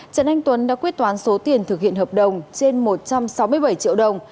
trần anh tuấn đã quyết toán số tiền thực hiện hợp đồng trên một trăm sáu mươi bảy triệu đồng